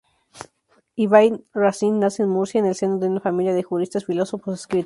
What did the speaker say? Ibn-Razín nace en Murcia en el seno de una familia de juristas, filósofos, escritores.